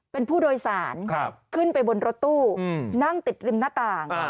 เป็นผู้โดยสารขึ้นไปบนรถตู้นั่งติดริมหน้าต่าง